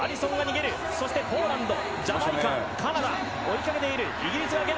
そして、ポーランドジャマイカ、カナダ追いかけている。